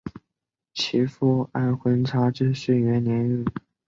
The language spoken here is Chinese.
其父按浑察至顺元年薨。